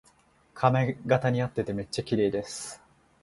髪型にあっててめっちゃきれいです